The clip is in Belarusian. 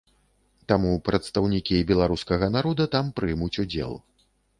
Таму прадстаўнікі беларускага народа там прымуць удзел.